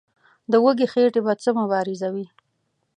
د وږي خېټې به څه مبارزه وي.